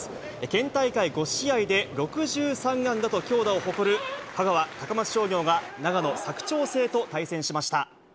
県大会５試合で６３安打と強打を誇る、香川・高松商業が、長野・佐久長聖と対戦しました。